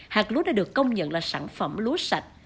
hạt lúa đã được công nhận là sản phẩm lúa sạch